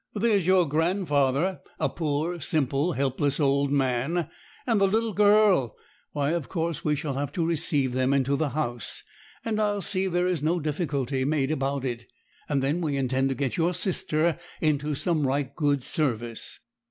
There's your grandfather, a poor, simple, helpless old man, and the little girl why, of course we shall have to receive them into the House; and I'll see there is no difficulty made about it. Then we intend to get your sister into some right good service.'